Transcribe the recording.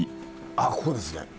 あっここですね。